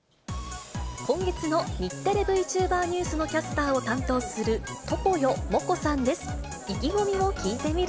今月の日テレＶチューバーニュースのキャスターを担当する常世モコさんです。